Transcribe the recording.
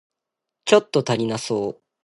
ちょっと足りなそう